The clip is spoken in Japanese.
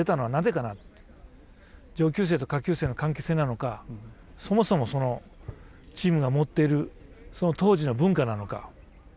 上級生と下級生の関係性なのかそもそもチームが持っているその当時の文化なのか。